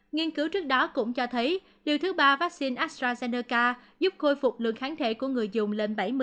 nghiên cứu trước đó cũng cho thấy điều thứ ba vaccine astrazeneca giúp khôi phục lượng kháng thể của người dùng lên bảy mươi